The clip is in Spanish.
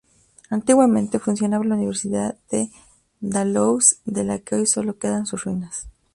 Antiguamente funcionaba la Universidad de Dalhousie, de la que hoy sólo quedan sus ruinas.